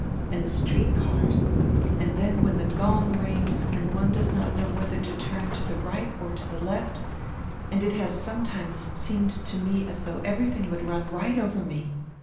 And the street cars. And then when die gong rings and one does not know whether to turn to the right or the left, and it has sometimes seemed to me as though everything would run right over me.